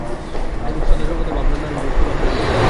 এইরূপ সদা সর্বদা ভাবনার নামই ভক্তি বা প্রেম।